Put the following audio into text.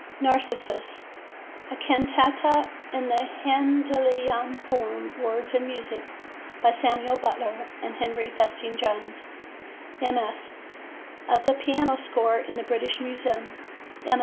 Narcissus: a Cantata in the Handelian form, words and music by Samuel Butler and Henry Festing Jones: MS. of the piano score in the British Museum.